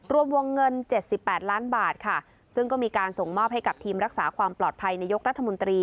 รวมวงเงิน๗๘ล้านบาทค่ะซึ่งก็มีการส่งมอบให้กับทีมรักษาความปลอดภัยนายกรัฐมนตรี